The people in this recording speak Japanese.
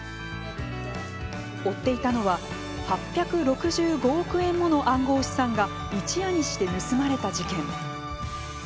追っていたのは８６５億円もの暗号資産が一夜にして盗まれた事件。